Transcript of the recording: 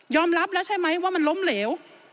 รับแล้วใช่ไหมว่ามันล้มเหลว